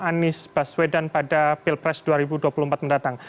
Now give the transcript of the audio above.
anies baswedan pada pilpres dua ribu dua puluh empat mendatang